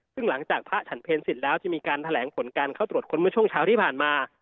ซึ่งหลังจากพระฉันเพลเสร็จแล้วจะมีการแถลงผลการเข้าตรวจค้นเมื่อช่วงเช้าที่ผ่านมา